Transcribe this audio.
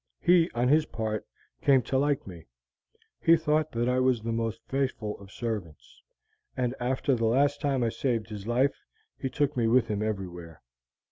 He, on his part, came to like me. He thought that I was the most faithful of servants, and after the last time I saved his life he took me with him everywhere.